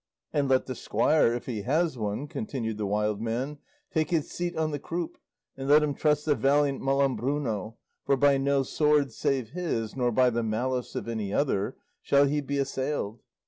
"And let the squire, if he has one," continued the wild man, "take his seat on the croup, and let him trust the valiant Malambruno; for by no sword save his, nor by the malice of any other, shall he be assailed.